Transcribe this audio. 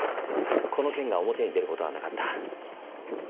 この件が表に出ることはなかった。